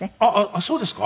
あっそうですか？